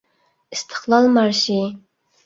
ئىستىقلال مارشى